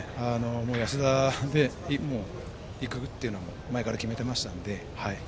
安田で行くというのは前から決めていましたので。